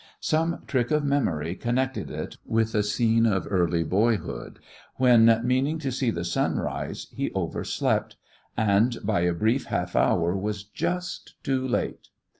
Some trick of memory connected it with a scene of early boyhood, when, meaning to see the sunrise, he overslept, and, by a brief half hour, was just too late.